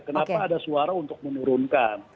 kenapa ada suara untuk menurunkan